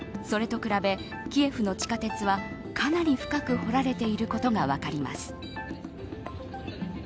それと比べキエフの地下鉄はかなり深く掘られていることが分かります。